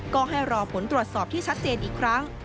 ก็ให้รอผลตรวจสอบที่ชัดเจนอีกครั้ง